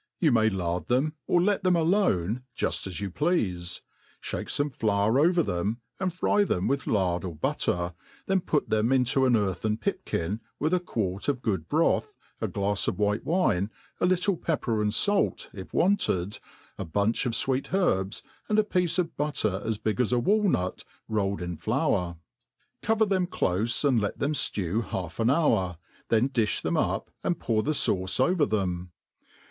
You may lard them<^ let them alone, juft as you pleafe, {hake fome flour over them, and fry them wijth lard or butter, then put them into an earthea pipkin, with a quart of good broth, a glafs of white wine, a little pepper and fair, if wanted, a bunch of fweet*herbs, and a piece of butter as big as a walnut, rolled in flour ; cover them clofe, and let them ftew half an hour,, then dilh tbem up, and pour the fauce over them.